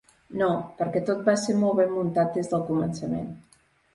No, perquè tot va ser molt ben muntat des del començament.